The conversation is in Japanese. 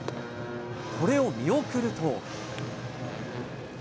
これを見送ると。